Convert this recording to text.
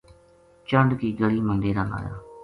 چنڈ کی گلی ما ڈیرا لایا